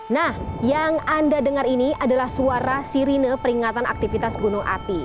nah yang anda dengar ini adalah suara sirine peringatan aktivitas gunung api